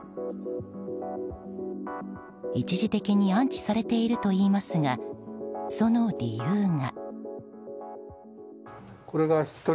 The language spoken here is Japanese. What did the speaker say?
一時的に安置されているといいますがその理由が。